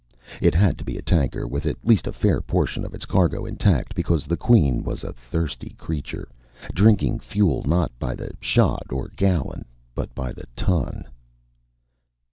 It had to be a tanker with at least a fair portion of its cargo intact, because the Queen was a thirsty creature, drinking fuel not by the shot or gallon but by the ton.